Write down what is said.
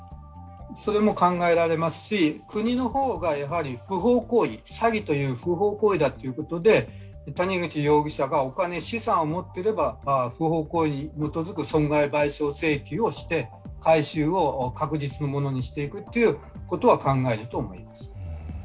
それも考えられますし、国の方が詐欺という不法行為だということで、谷口容疑者がお金、資産をもっていれば不法行為に基づく損害賠償請求をして、回収を確実なものにしていくことは考えられると思います。